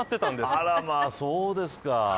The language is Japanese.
あらまあ、そうですか。